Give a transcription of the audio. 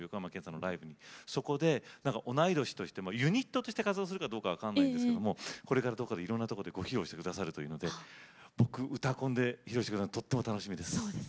そこで同い年としてもユニットとして活動するかどうかは分かんないですけどもこれからいろんなとこでご披露して下さるというので僕「うたコン」で披露して下さるのとっても楽しみです。